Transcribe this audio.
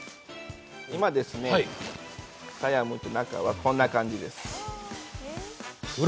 今さやの中はこんな感じです。